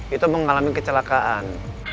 itu mengalami kecelakaan